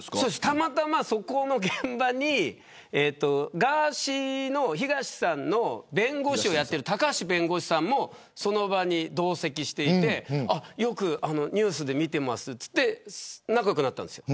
たまたま、そこの現場にガーシーさんの弁護士をやっている高橋弁護士さんもその場に同席していてよくニュースで見てますと言って仲良くなったんです。